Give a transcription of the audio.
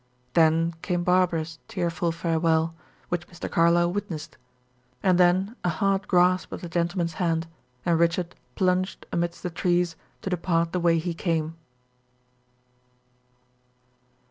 Then came Barbara's tearful farewell, which Mr. Carlyle witnessed; and then a hard grasp of that gentleman's hand, and Richard plunged amidst the trees to depart the way he came.